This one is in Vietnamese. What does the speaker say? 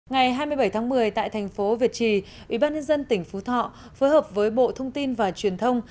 ngày hai mươi bảy tháng một mươi tại thành phố việt trì ubnd tỉnh phú thọ phối hợp với bộ thông tin và truyền thông